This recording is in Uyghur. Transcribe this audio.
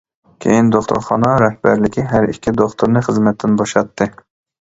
كېيىن دوختۇرخانا رەھبەرلىكى، ھەر ئىككى دوختۇرنى خىزمەتتىن بوشاتتى.